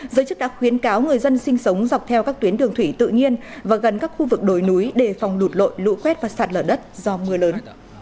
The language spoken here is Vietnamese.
giới chức đã khuyến cáo người dân sinh sống dọc theo các tuyến đường thủy tự nhiên và gần các khu vực đồi núi đề phòng lụt lội lũ quét và sạt lở đất do mưa lớn